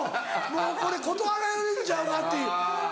もうこれ断られるんちゃうかっていう。